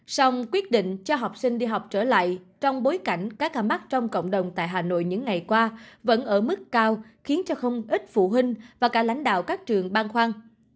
sông quyết định cho học sinh đi học trở lại trong bối cảnh các ca mắc trong cộng đồng tại hà nội những ngày qua vẫn ở mức cao khiến cho không ít phụ huynh và cả lãnh đạo các trường ban khoan